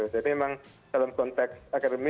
jadi memang dalam konteks akademis